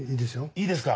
いいですか？